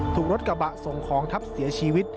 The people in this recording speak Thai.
ถูกรถกระบะส่งของทับเสียชีวิต